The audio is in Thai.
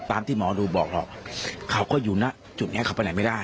ที่หมอดูบอกหรอกเขาก็อยู่นะจุดนี้เขาไปไหนไม่ได้